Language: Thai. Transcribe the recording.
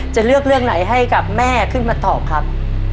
จะเลือกเรื่องไหนให้กับแม่ขึ้นมาตอบครับ